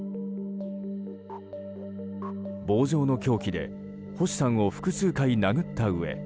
棒状の凶器で星さんを複数回殴ったうえ